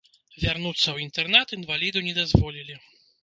Вярнуцца ў інтэрнат інваліду не дазволілі.